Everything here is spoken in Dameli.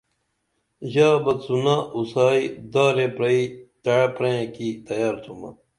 ژا بہ څُونہ اُسائی دارے پرئی تعہ پرئیں کی تیار تُھمہ